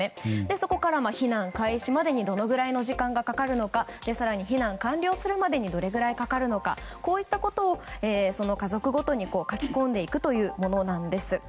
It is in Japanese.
そこから避難開始までにどのくらいの時間がかかるのか更に避難完了するまでにどれぐらいかかるのかこういったことを家族ごとに書き込んでいくものです。